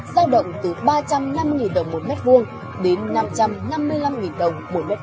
giao động từ ba trăm năm mươi đồng một mét vuông đến năm trăm năm mươi năm đồng